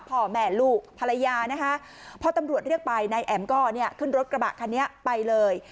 พ่อแม่ลูกภรรยานะคะพอตำรวจเรียกไปนายแอ๋มก็เนี่ยขึ้นรถกระบะคันนี้ไปเลย